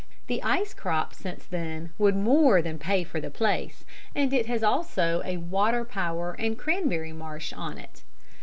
The ice crop since then would more than pay for the place, and it has also a water power and cranberry marsh on it.